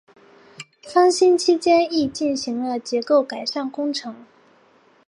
翻新期间亦进行了结构改善工程。